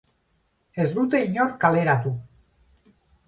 Ez dute inor kaleratu.